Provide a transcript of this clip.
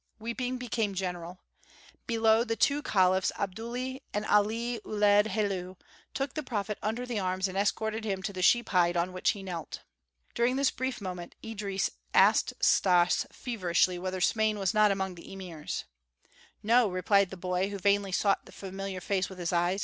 Weeping became general. Below, the two caliphs Abdullahi and Ali Uled Helu took the prophet under the arms and escorted him to the sheep hide on which he knelt. During this brief moment Idris asked Stas feverishly whether Smain was not among the emirs. "No!" replied the boy, who vainly sought the familiar face with his eyes.